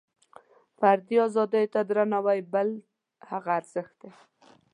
فردي ازادیو ته درناوۍ بل هغه ارزښت دی.